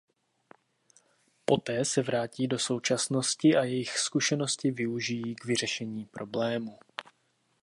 Poté se vrátí do současnosti a jejich zkušenosti využijí k vyřešení problému.